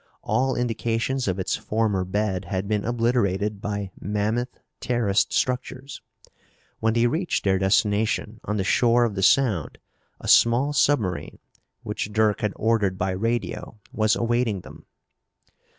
All indications of its former bed had been obliterated by mammoth terraced structures. When they reached their destination on the shore of the Sound a small submarine, which Dirk had ordered by radio, was awaiting them.